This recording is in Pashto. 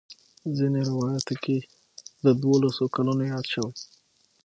ځینې روایاتو کې د دولسو کلونو یاد شوی.